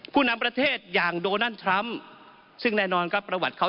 ผู้นำประเทศอย่างโดนัลด์ทรัมป์ซึ่งแน่นอนครับประวัติเขา